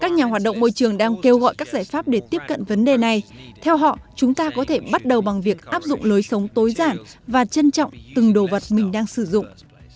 các nhà hoạt động môi trường đang kêu gọi các giải pháp để tiếp cận vấn đề này theo họ chúng ta có thể bắt đầu bằng việc áp dụng lối sống tối giản và trân trọng từng đồ vật mình đang sử dụng